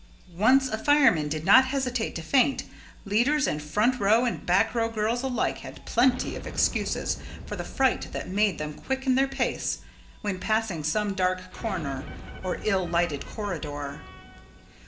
Once a fireman did not hesitate to faint, leaders and front row and back row girls alike had plenty of excuses for the fright that made them quicken their pace when passing some dark corner or ill lighted corridor.